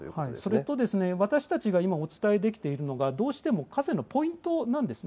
それと私たちが今お伝えできているのがどうしても河川のポイントなんですね。